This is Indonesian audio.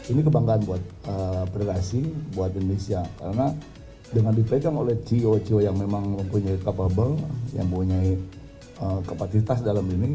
ini kebanggaan buat bergasi buat indonesia karena dengan dipegang oleh ceo ceo yang memang mempunyai capable yang mempunyai kapasitas dalam ini